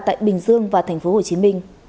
ở bình dương và tp hcm